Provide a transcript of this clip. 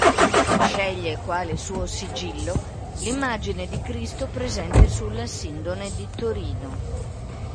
Sceglie quale suo sigillo l'immagine di Cristo presente sulla Sindone di Torino.